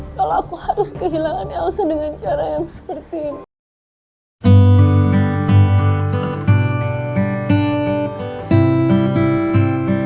kalau aku harus kehilangan elsa dengan cara yang seperti ini